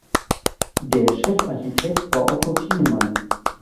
Der Chefarchitekt war Otto Thienemann.